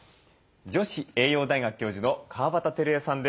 女子栄養大学教授の川端輝江さんです。